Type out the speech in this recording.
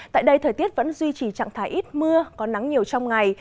tại đây thời tiết vẫn duy trì trạng thái ít mưa có nắng nhiều trong ngày